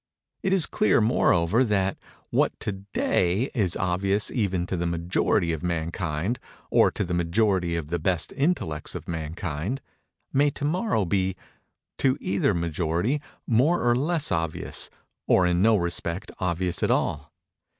It is clear, moreover, that what, to day, is obvious even to the majority of mankind, or to the majority of the best intellects of mankind, may to morrow be, to either majority, more or less obvious, or in no respect obvious at all.